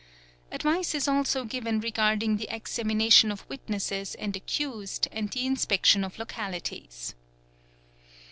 Advice is also given regarding the examination of witnesses and accused and the inspection of localities.